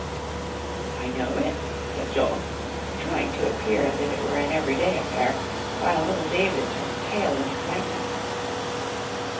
"I know it," said Joel, trying to appear as if it were an everyday affair, while little David turned pale with excitement.